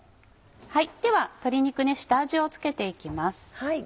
では鶏肉下味を付けていきます。